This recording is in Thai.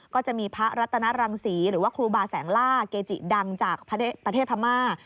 ก็จะมีพระรัตนรังศรีหรือว่าครูบาแสงล่าเกจิดังจากประเทศพม่า